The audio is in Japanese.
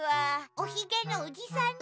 おひげのおじさんね。